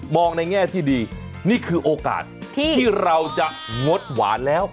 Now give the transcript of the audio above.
ในแง่ที่ดีนี่คือโอกาสที่เราจะงดหวานแล้ว